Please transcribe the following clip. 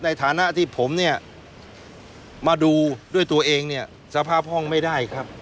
ในฐานะที่ผมเนี่ยมาดูด้วยตัวเองเนี่ยสภาพห้องไม่ได้ครับ